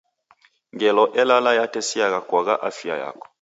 Ngelo elala yatesiagha kuagha afia yako.